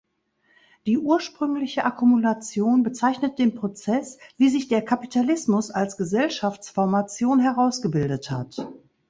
Die „ursprüngliche Akkumulation“ bezeichnet den Prozess, wie sich der Kapitalismus als Gesellschaftsformation herausgebildet hat.